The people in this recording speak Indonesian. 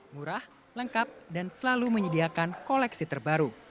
murah lengkap dan selalu menyediakan koleksi terbaru